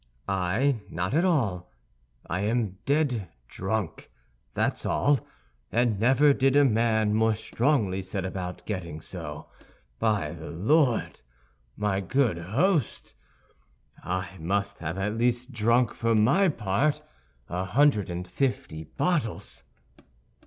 "I! Not at all. I am dead drunk, that's all, and never did a man more strongly set about getting so. By the Lord, my good host! I must at least have drunk for my part a hundred and fifty bottles."